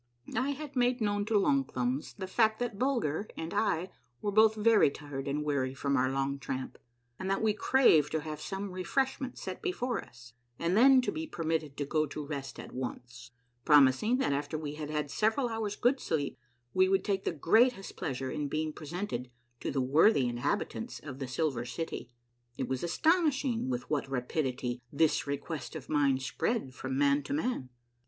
I had made known to Long Thumbs the fact that Bulger and I were both very tired and weary from our long tramp, and that we craved to have some refreshment set before us, and then to be permitted to go to rest at once, promising that after we had had several hours' good sleep we would take the greatest pleasure in being presented to the worthy inhabitants of the Silver City. It was astonishing with what rapidity this request of mine spread from man to man.